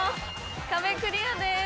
壁クリアです。